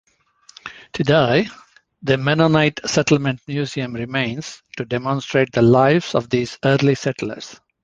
Today, the Mennonite Settlement Museum remains to demonstrate the lives of these early settlers.